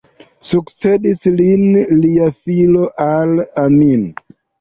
Sukcedis lin lia filo Al-Amin.